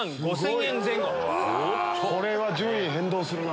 これは順位変動するな。